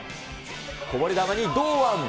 こぼれ球に堂安。